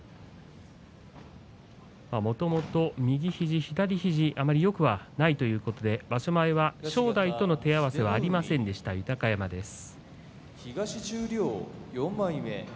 もともと右肘、左肘あまりよくはないということで場所前は正代との手合わせがありませんでした、豊山です。